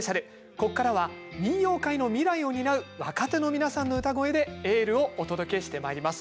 ここからは民謡界の未来を担う若手の皆さんの唄声でエールをお届けしてまいります。